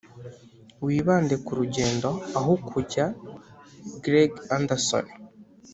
wibande ku rugendo, aho kujya. greg anderson